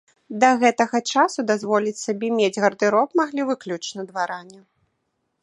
Да гэтага часу дазволіць сабе мець гардэроб маглі выключна дваране.